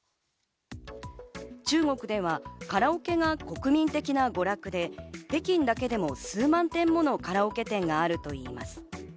中国ではカラオケが国民的な娯楽で、北京だけでも数万点ものカラオケ店があるといいます。